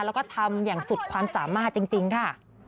แล้วก็ทำอย่างสุดความสามารถจริงค่ะ